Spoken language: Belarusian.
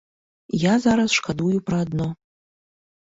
Я зараз шкадую пра адно.